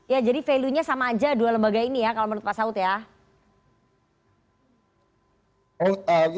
ya jadi value nya sama aja dua lembaga ini ya kalau menurut pak saud ya